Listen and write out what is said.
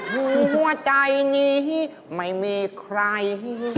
หัวใจนี้ไม่มีใคร